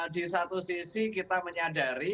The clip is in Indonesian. di satu sisi kita menyadari